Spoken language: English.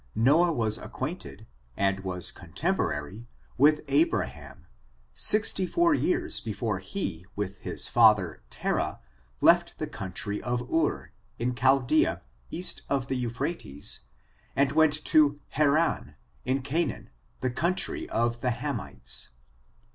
Noah was acquainted, and was contemporary, with Abraham sixty four years before he, with his father, Terahj left the country of Ur, in Chaldea, east of the Euphrates, and went XoHaran^ in Canaan, the coun try of the Hamites.